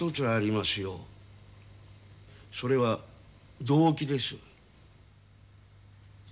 それは動機です。